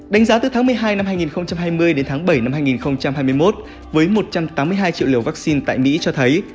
đánh giá từ tháng một mươi hai năm hai nghìn hai mươi đến tháng bảy năm hai nghìn hai mươi một với một trăm tám mươi hai triệu liều vaccine tại mỹ cho thấy